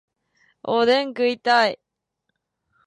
おでん食いたい